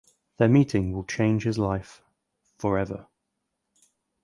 Their meeting will change his life forever.